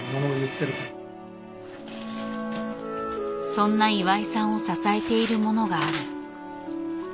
そんな岩井さんを支えているものがある。